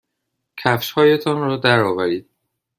کفشهایتان را درآورید.